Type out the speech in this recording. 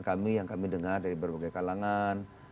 kami yang kami dengar dari berbagai kalangan